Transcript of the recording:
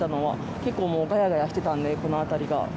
結構、がやがやしていたのでこの辺りが。